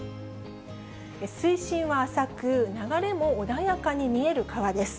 水深は浅く、流れも穏やかに見える川です。